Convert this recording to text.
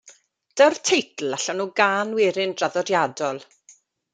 Daw'r teitl allan o gân werin draddodiadol.